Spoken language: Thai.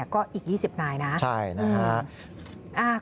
ก็อีก๒๐นายนะครับใช่นะฮะอืม